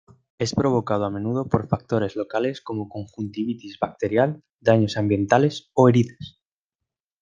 Es provocado a menudo por factores locales como conjuntivitis bacterial, daños ambientales o heridas.